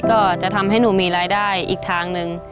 ก็จะทำให้หนูมีรายได้อีกทางหนึ่ง